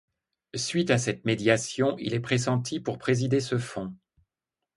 Suite à cette médiation, il est pressenti pour présider ce fond.